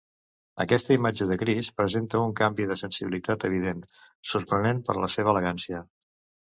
Aquesta imatge de Crist presenta un canvi de sensibilitat evident, sorprenent per la seva elegància.